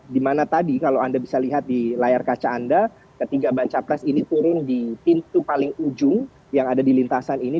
dimana tadi kalau anda bisa lihat di layar kaca anda ketiga baca pres ini turun di pintu paling ujung yang ada di lintasan ini